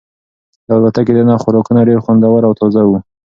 د الوتکې دننه خوراکونه ډېر خوندور او تازه وو.